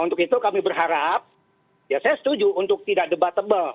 untuk itu kami berharap ya saya setuju untuk tidak debatable